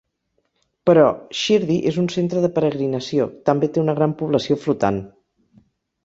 Però, Shirdi és un centre de peregrinació, també té una gran població flotant.